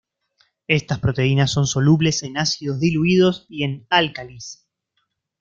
Estas proteínas son solubles en ácidos diluidos y en álcalis.